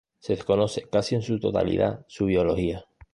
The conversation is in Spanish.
Se desconoce casi en su totalidad su biología.